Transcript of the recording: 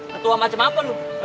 ketua macam apa lu